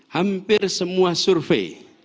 hampir semua survei